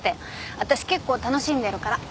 私結構楽しんでるから。